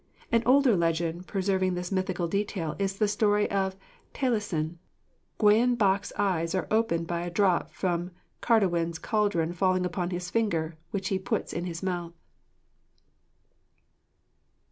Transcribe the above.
' An older legend preserving this mythical detail is the story of Taliesin. Gwion Bach's eyes are opened by a drop from Caridwen's caldron falling upon his finger, which he puts in his mouth.